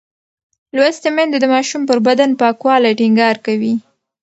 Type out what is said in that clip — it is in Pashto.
لوستې میندې د ماشوم پر بدن پاکوالی ټینګار کوي.